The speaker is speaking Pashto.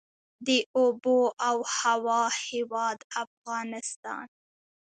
د اوبو او هوا هیواد افغانستان.